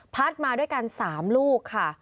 มาด้วยกัน๓ลูกค่ะ